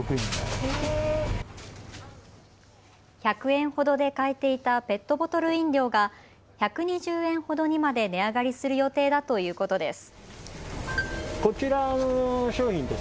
１００円ほどで買えていたペットボトル飲料が１２０円ほどにまで値上がりする予定だということです。